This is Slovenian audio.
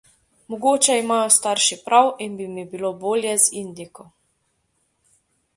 Mogoče imajo starši prav in bi mi bilo bolje z Indijko.